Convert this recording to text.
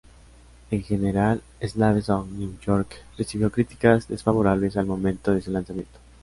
En general, "Slaves of New York" recibió críticas desfavorables al momento de su lanzamiento.